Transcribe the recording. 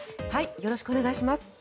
よろしくお願いします。